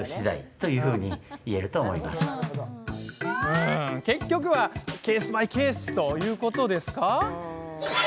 うーん、結局はケースバイケースということですか？